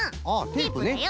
テープだよ。